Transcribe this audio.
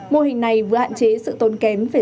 mô hình này vừa hạn chế sự tốn kém